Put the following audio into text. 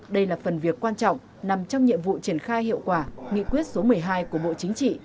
đây là phần việc quan trọng nằm trong nhiệm vụ triển khai hiệu quả nghị quyết số một mươi hai của bộ chính trị